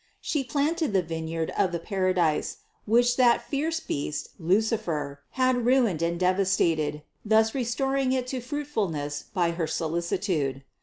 She planted the vineyard of the paradise, which that fierce beast Lucifer had ruined and devastated, thus restoring it to fruitfulness by her solicitude.